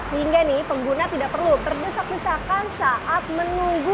sehingga nih pengguna tidak perlu terdesak desakan saat menunggu